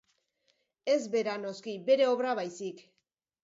Ez bera, noski, bere obra baizik.